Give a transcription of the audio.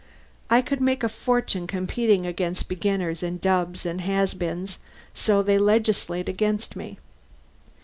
I could make a fortune competing against beginners and dubs and has beens, so they legislate against me.